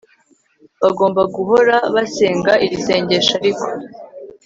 bagomba guhora basenga iri sengesho Ariko